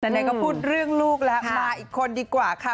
ไหนก็พูดเรื่องลูกแล้วมาอีกคนดีกว่าค่ะ